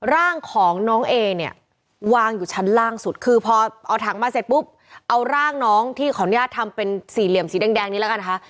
ร่างของน้องเอเนี่ยวางอยู่ชั้นล่างสุดคือพอเอาถังมาเสร็จปุ๊บเอาร่างน้องที่ขออนุญาตทำเป็นสี่เหลี่ยมสีแดงนี้แล้วกันนะคะ